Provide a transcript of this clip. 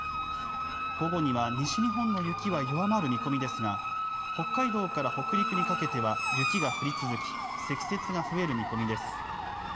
午後には西日本の雪は弱まる見込みですが北海道から北陸にかけては雪が降り続き積雪が増える見込みです。